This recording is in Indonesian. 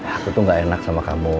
aku tuh gak enak sama kamu